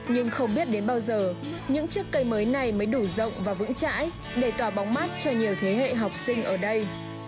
nhưng không biết đến bao giờ những chiếc cây mới này mới đủ rộng và vững chãi để tỏa bóng mát cho nhiều thế hệ học sinh ở đây